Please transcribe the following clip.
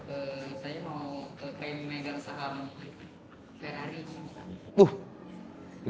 saya mau megang saham ferrari